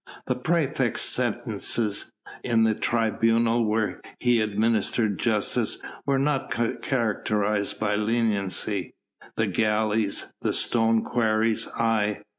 The praefect's sentences in the tribunal where he administered justice were not characterised by leniency; the galleys, the stone quarries, aye!